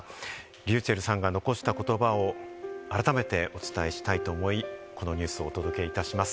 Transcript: ｒｙｕｃｈｅｌｌさんが残した言葉を改めてお伝えしたいと思い、このニュースをお届けいたします。